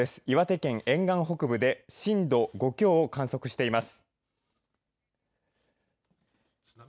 岩手県沿岸北部で震度５強を観測しています。